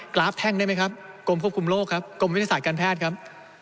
ราฟแท่งได้ไหมครับกรมควบคุมโรคครับกรมวิทยาศาสตร์การแพทย์ครับ